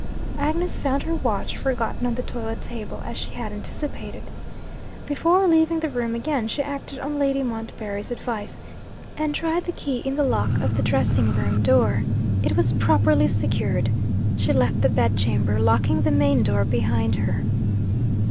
Agnes found her watch, forgotten on the toilet table, as she had anticipated. Before leaving the room again she acted on Lady Montbarry's advice, and tried the key in the lock of the dressing room door. It was properly secured. She left the bed chamber, locking the main door behind her.